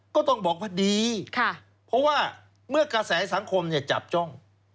ก็ต้องบอกว่าดีเพราะว่าเมื่อกระแสสังคมจับจ้อง